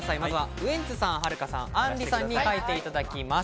ウエンツさん、はるかさん、あんりさんに書いていただきます。